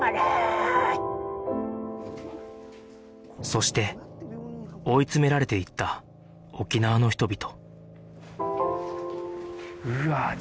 そして追い詰められていった沖縄の人々